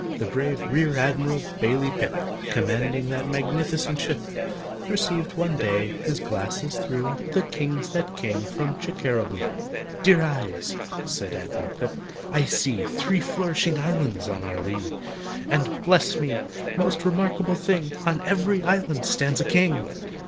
The brave REAR ADMIRAL BAILEY PIP, Commanding that magnificent ship, Perceived one day, his glasses through, The kings that came from Chickeraboo. "Dear eyes!" said ADMIRAL PIP, "I see Three flourishing islands on our lee. And, bless me! most remarkable thing! On every island stands a king!